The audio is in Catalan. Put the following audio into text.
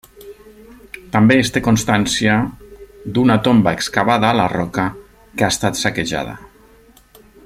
També es té constància d'una tomba excavada a la roca que ha estat saquejada.